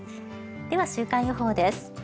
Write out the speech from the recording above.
では週間予報です。